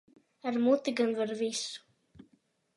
Ar muti gan var visu.